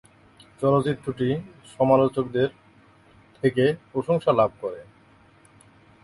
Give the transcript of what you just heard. চলচ্চিত্রটি সমালোচকদের থেকে প্রশংসা লাভ করে।